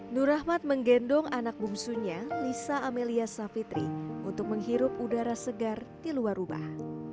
nur rahmat menggendong anak bungsunya lisa amelia savitri untuk menghirup udara segar di luar rubah